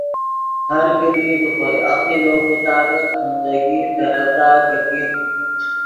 ہر کیدی دے خوئے عقیدو مطابق زندگی ترڤدا کرکیت